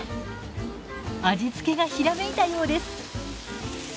味付けがひらめいたようです。